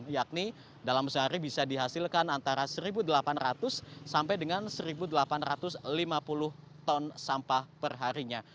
yakni dalam sehari bisa dihasilkan antara satu delapan ratus sampai dengan satu delapan ratus lima puluh ton sampah perharinya